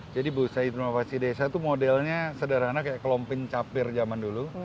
jadi bursa inovasi desa itu modelnya sederhana kayak kelompin capir zaman dulu